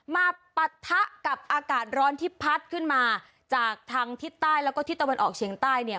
ปะทะกับอากาศร้อนที่พัดขึ้นมาจากทางทิศใต้แล้วก็ทิศตะวันออกเฉียงใต้เนี่ย